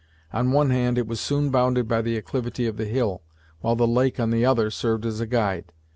On one hand it was soon bounded by the acclivity of the hill, while the lake, on the other, served as a guide.